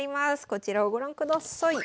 こちらをご覧ください。